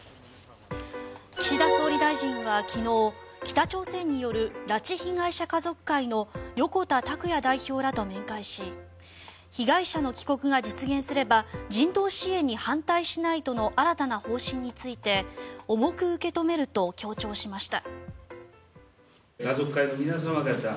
岸田総理大臣は昨日北朝鮮による拉致被害者家族会の横田拓也代表らと面会し被害者の帰国が実現すれば人道支援に反対しないとの新たな方針について重く受け止めると強調しました。